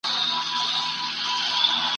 زما د قبر سر ته ارغوان به غوړېدلی وي ..